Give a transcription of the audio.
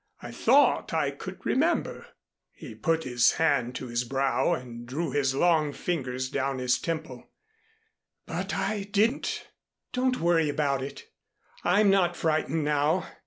I thought I could remember " he put his hand to his brow and drew his long fingers down his temple, "but I didn't." "Don't worry about it. I'm not frightened now.